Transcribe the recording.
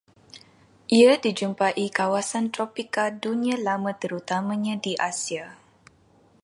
Ia dijumpai kawasan tropika Dunia Lama terutamanya di Asia